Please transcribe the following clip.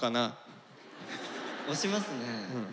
推しますね。